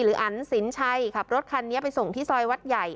อันสินชัยขับรถคันนี้ไปส่งที่ซอยวัดใหญ่